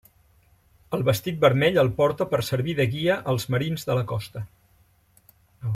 El vestit vermell el porta per servir de guia als marins des de la costa.